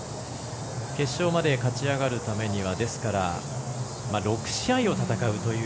決勝まで勝ち上がるためには６試合を戦うという。